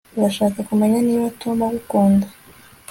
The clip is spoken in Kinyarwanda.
Urashaka kumenya niba Tom agukunda